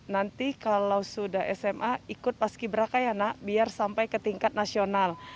nanti kalau sudah sma ikut paski beraka ya nak biar sampai ke tingkat nasional